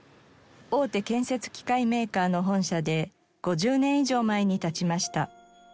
大手建設機械メーカーの本社で５０年以上前に建ちました。